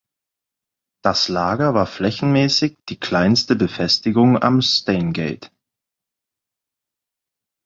Das Lager war flächenmäßig die kleinste Befestigung am Stanegate.